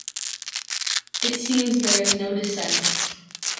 It seems there is no dissent.